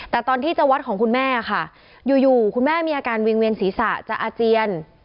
แต่ตอนที่จะวัดของคุณแม่ค่ะอยู่คุณแม่มีอาการวิ่งเวียนศีรษะจะอาเจียน